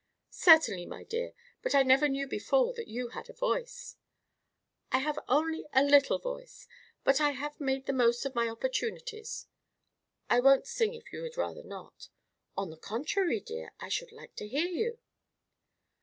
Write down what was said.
"Certainly, my dear; but I never knew before that you had a voice." "I have only a little voice; but I have made the most of my opportunities. I won't sing if you would rather not." "On the contrary, dear; I should like to hear you."